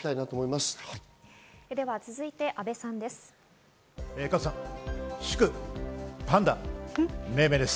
続いて阿部さんです。